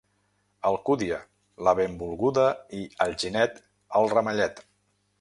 Alcúdia, la benvolguda, i Alginet, el ramellet.